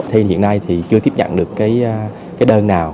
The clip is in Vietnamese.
thì hiện nay thì chưa tiếp nhận được cái đơn nào